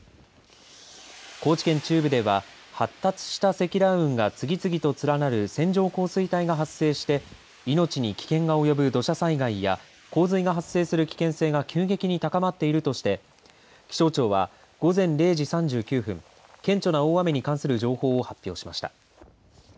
高知県中部では発達した積乱雲が次々と連なる線状降水帯が発生して命に危険が及ぶ土砂災害や洪水が発生する危険性が急激に高まっているとして気象庁は午前０時３９分顕著な大雨に関する情報を発表しました。